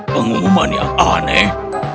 pengumuman yang aneh